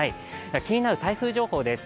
気になる台風情報です。